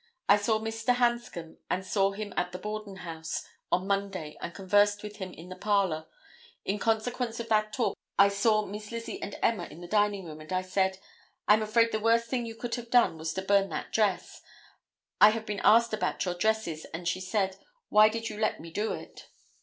I saw Mr. Hanscom and saw him at the Borden house on Monday and conversed with him in the parlor; in consequence of that talk I saw Miss Lizzie and Emma in the dining room and I said—'I'm afraid the worst thing you could have done was to burn that dress; I have been asked about your dresses, and she said, 'why did you let me do it?